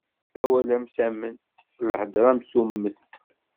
Awal am tamment, lhedṛa am tummeṭ.